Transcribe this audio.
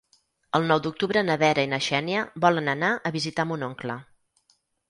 El nou d'octubre na Vera i na Xènia volen anar a visitar mon oncle.